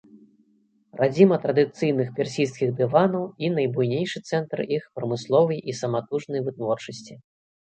Радзіма традыцыйных персідскіх дыванаў і найбуйнейшы цэнтр іх прамысловай і саматужнай вытворчасці.